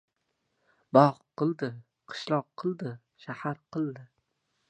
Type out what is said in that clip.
Bog‘ qildi, qishloq qildi, shahar qildi.